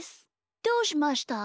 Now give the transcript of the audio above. どうしました？